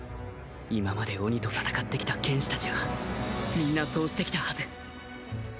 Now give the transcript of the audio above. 今まで鬼と戦ってきた剣士たちはみんなそうしてきたはず